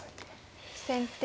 先手